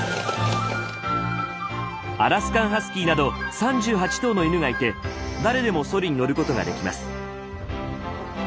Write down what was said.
アラスカンハスキーなど３８頭の犬がいて誰でもソリに乗ることができます。